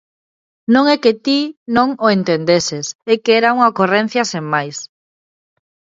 Non é que ti non o entendeses, é que era unha ocorrencia sen máis.